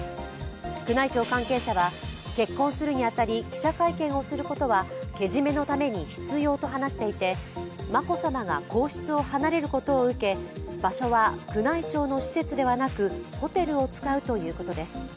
宮内庁関係者は結婚するに当たり、記者会見をすることはけじめのために必要と話していて眞子さまが皇室を離れることを受け場所は宮内庁の施設ではなくホテルを使うということです。